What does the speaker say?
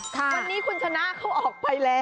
วันนี้คุณชนะเขาออกไปแล้ว